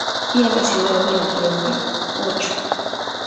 Y en la ciudad de La Rioja, ocho.